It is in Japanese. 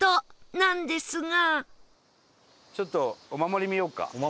なんですが